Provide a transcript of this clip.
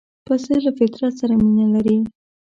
پسه له فطرت سره مینه لري.